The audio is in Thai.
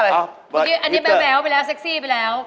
อันนี้แบบแบ๊วไปแล้วเซ็กซี่ไปแล้ว